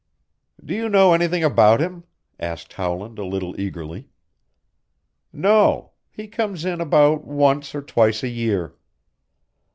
"Do you know anything about him?" asked Howland a little eagerly. "No. He comes in about once or twice a year."